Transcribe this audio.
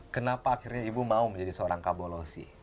kenapa akhirnya ibu mau menjadi seorang kabolosi